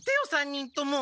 ３人とも！